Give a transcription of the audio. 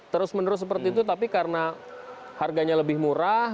terus menerus seperti itu tapi karena harganya lebih murah